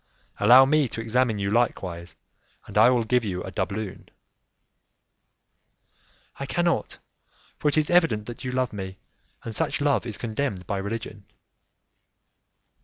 "Allow me to examine you likewise, and I will give you a doubloon." "I cannot, for it is evident that you love me, and such love is condemned by religion."